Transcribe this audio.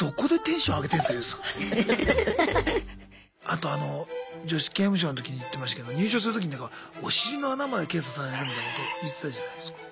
あとあの女子刑務所の時に言ってましたけど入所する時にほらお尻の穴まで検査されるみたいなこと言ってたじゃないすか。